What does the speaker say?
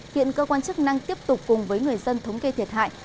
hiện cơ quan chức năng tiếp tục cùng với người dân thống kê thiệt hại